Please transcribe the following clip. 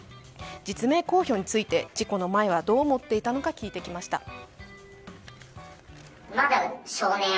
実名公表について事故の前はどう思っていたのか聞いてきました。